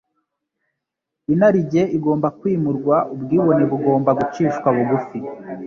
Inarijye igomba kwimurwa, ubwibone bugomba gucishwa bugufi,